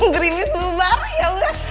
green miss bubar yaudah